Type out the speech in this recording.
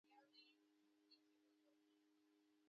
قرارداد باید د هیواد تر قوانینو لاندې وي.